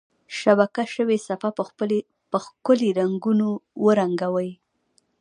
شبکه شوي صفحه په ښکلي رنګونو ورنګوئ.